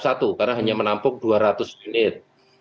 yang menampung dua ratus unit